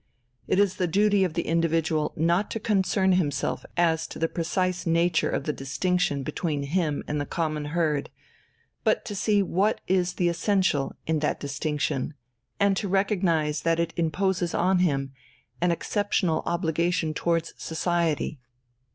It is the duty of the individual not to concern himself as to the precise nature of the distinction between him and the common herd, but to see what is the essential in that distinction and to recognize that it imposes on him an exceptional obligation towards society.